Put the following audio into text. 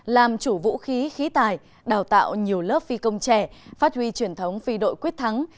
làm chủ vũ khí khí tài đào tạo nhiều lớp phi công trẻ phát huy truyền thống phi đội quyết thắng